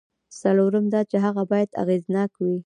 څلورم دا چې هغه باید اغېزناک وي.